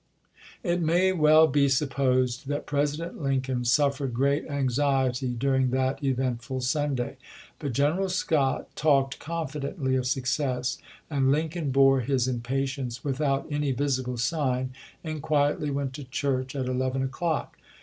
Yi.,^p. S" It ^^y ^^^^ ^e supposed that President Lincoln suffered great anxiety dming that eventful Sunday; but General Scott talked confidently of success, and Lincoln bore his impatience without any visible sign, and quietly went to church at eleven o'clock.